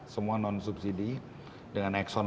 semua non subsidi dengan exxon